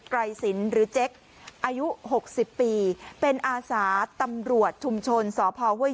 ไกรสินหรือเจ๊กอายุ๖๐ปีเป็นอาสาตำรวจชุมชนสพห้วย